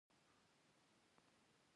هغې د باغ تر سیوري لاندې د مینې کتاب ولوست.